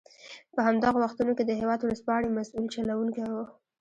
په همدغو وختونو کې د هېواد ورځپاڼې مسوول چلوونکی و.